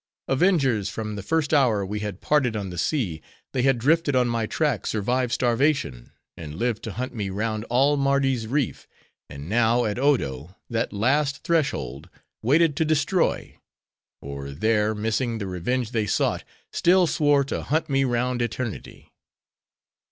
Avengers, from the first hour we had parted on the sea, they had drifted on my track survived starvation; and lived to hunt me round all Mardi's reef; and now at Odo, that last threshold, waited to destroy; or there, missing the revenge they sought, still swore to hunt me round Eternity.